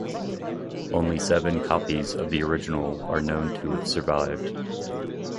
Only seven copies of the original are known to have survived.